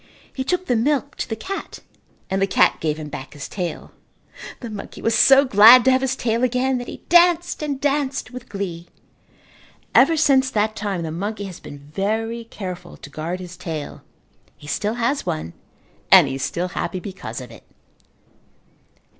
He took the milk to the cat and the cat gave him back his tail. The monkey was so glad to have his tail again that he danced and danced with glee. Ever since that time the monkey has been very careful to guard his tail. He still has one and he is still happy because of it.